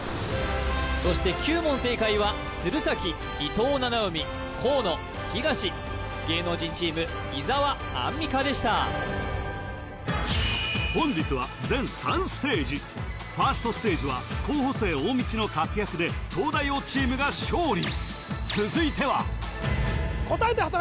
そして９問正解は鶴崎伊藤七海河野東芸能人チーム伊沢アンミカでした本日は全３ステージファーストステージは候補生大道の活躍で東大王チームが勝利続いては答えて挟め！